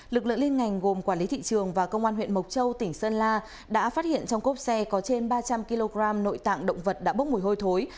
lực lượng liên ngành gồm quản lý thị trường và công an huyện mộc châu tỉnh sơn la đã phát hiện trong cốp xe có trên ba trăm linh kg nội tạng động vật đã bốc mùi hôi thối